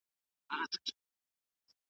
بریالیو خلګو بدلونونه منلي دي.